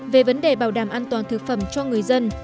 về vấn đề bảo đảm an toàn thực phẩm cho người dân